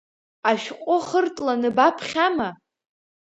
Ашәҟәы хыртланы баԥхьама?